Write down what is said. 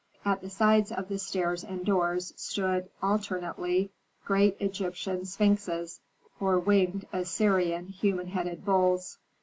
At the sides of the stairs and doors stood, alternately, great Egyptian sphinxes, or winged Assyrian human headed bulls.